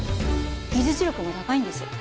技術力も高いんです。